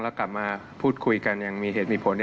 แล้วกลับมาพูดคุยกันอย่างมีเหตุมีผล